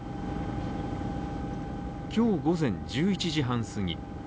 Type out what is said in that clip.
今日午前１１時半過ぎ。